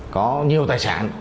có nhiều tài sản